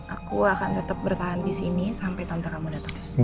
aku akan tetep bertahan di sini sampai tante kamu dateng